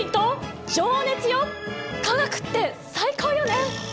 化学って最高よね！